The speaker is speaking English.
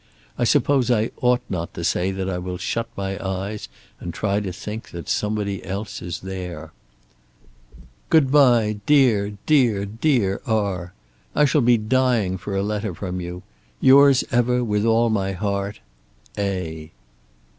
I suppose I ought not to say that I will shut my eyes and try to think that somebody else is there. Good bye dear, dear, dear R. I shall be dying for a letter from you. Yours ever, with all my heart. A.